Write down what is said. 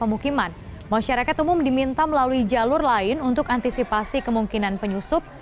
pemukiman masyarakat umum diminta melalui jalur lain untuk antisipasi kemungkinan penyusup